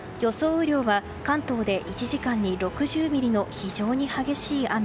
雨量は関東で１時間に６０ミリの非常に激しい雨。